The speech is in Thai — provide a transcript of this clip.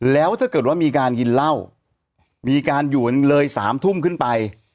แล้วถ้าเกิดว่ามีการกินเหล้ามีการอยู่เลย๓ทุ่มขึ้นไป